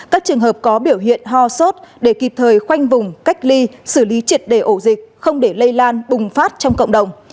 các trường hợp có biểu hiện ho sốt để kịp thời khoanh vùng cách ly xử lý triệt đề ổ dịch không để lây lan bùng phát trong cộng đồng